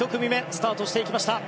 スタートしていきました。